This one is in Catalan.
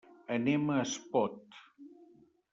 Anem a Espot.